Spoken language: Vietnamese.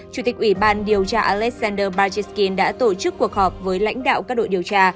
chủ tịch ủy ban điều tra alexander bajkyn đã tổ chức cuộc họp với lãnh đạo các đội điều tra